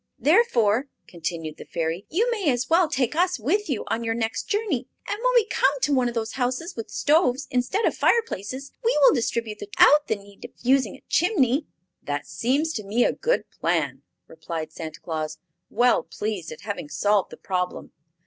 "Therefore," continued the Fairy, "you may as well take us with you on your next journey, and when we come to one of those houses with stoves instead of fireplaces we will distribute the toys to the children without the need of using a chimney." "That seems to me a good plan," replied Santa Claus, well pleased at having solved the problem.